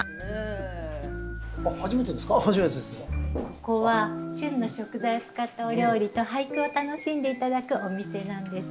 ここは旬の食材を使ったお料理と俳句を楽しんで頂くお店なんです。